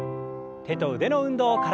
手と腕の運動から。